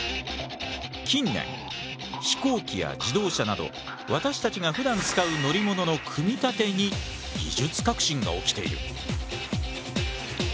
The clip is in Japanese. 近年飛行機や自動車など私たちがふだん使う乗り物の組み立てに技術革新が起きている。